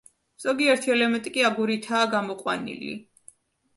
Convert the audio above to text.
ზოგიერთი ელემენტი კი აგურითაა გამოყვანილი.